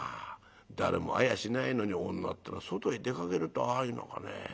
誰も会やしないのに女ってえのは外へ出かけるとああいうのかね。